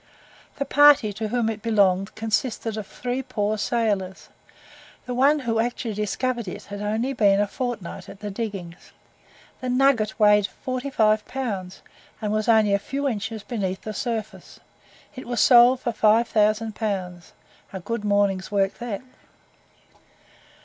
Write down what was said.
The party to whom it belonged consisted of three poor sailors; the one who actually discovered it had only been a fortnight at the diggings. The nugget weighed forty five pounds, and was only a few inches beneath the surface. It was sold for 5,000 pounds; a good morning's work that!